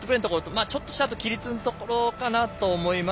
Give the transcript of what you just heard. あと、ちょっとした規律のところだと思います。